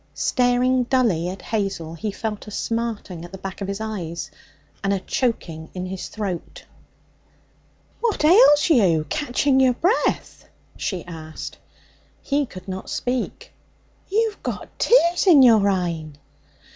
Staring dully at Hazel, he felt a smarting at the back of his eyes and a choking in his throat. 'What ails you, catching your breath?' she asked. He could not speak. 'You've got tears in your eyne.'